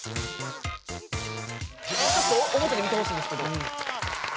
「ちょっと表で見てほしいんですけど」